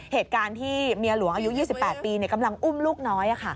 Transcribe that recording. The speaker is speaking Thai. เหตุการณ์ที่เมียหลวงอายุ๒๘ปีกำลังอุ้มลูกน้อย